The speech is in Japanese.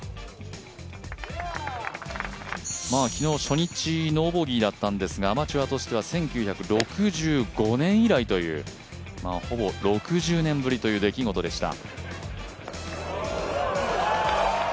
昨日、初日ノーボギーだったんですが、アマチュアとしては１９６５年以来というほぼ６０年ぶりという出来事でした。